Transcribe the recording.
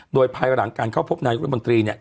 โดยภายหลังการเข้าพบนายุทธมนตรีเนี่ย